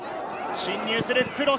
進入するクロス。